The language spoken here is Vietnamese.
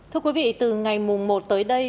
thưa quý vị từ ngày mùng một tới đây